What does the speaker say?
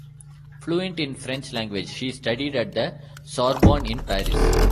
Fluent in the French language, she studied at the Sorbonne in Paris.